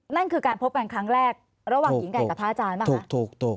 นั่นคือการพบกันครั้งแรกระหว่างหญิงไก่กับพระอาจารย์ป่ะคะ